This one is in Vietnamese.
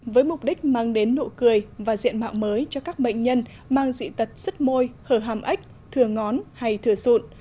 với mục đích mang đến nụ cười và diện mạo mới cho các bệnh nhân mang dị tật sứt môi hở hàm ếch thừa ngón hay thừa sụn